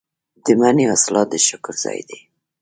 د مني حاصلات د شکر ځای دی.